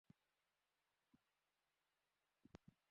আপনাকে যখন মদ সেধেছিলাম, তখন বলেছিলেন, আপনি কখনো মদ খান না।